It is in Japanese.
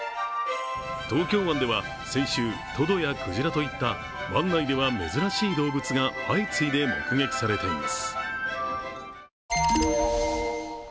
東京湾では、先週、トドや鯨といった湾内では珍しい動物が相次いで目撃されています。